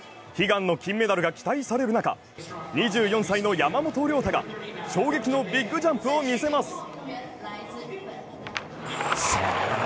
悲願の金メダルが期待される中、２４歳の山本涼太が衝撃のビッグジャンプを見せます。